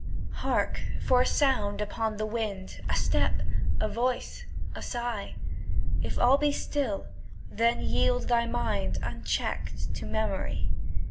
Hark! for a sound upon the wind, A step, a voice, a sigh; If all be still, then yield thy mind, Unchecked, to memory.